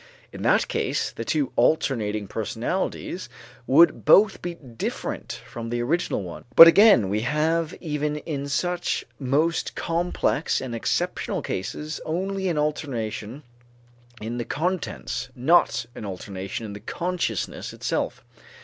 In that case the two alternating personalities would both be different from the original one. But again we have even in such most complex and exceptional cases only an alternation in the contents, not an alternation in the consciousness itself.